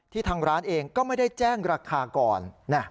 ทางร้านเองก็ไม่ได้แจ้งราคาก่อน